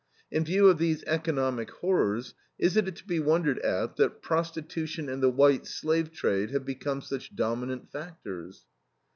In view of these economic horrors, is it to be wondered at that prostitution and the white slave trade have become such dominant factors?